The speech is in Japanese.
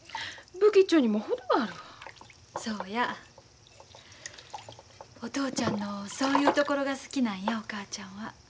お父ちゃんのそういうところが好きなんやお母ちゃんは。